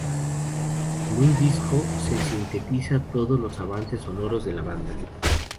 Es un disco que sintetiza todo los avances sonoros de la banda.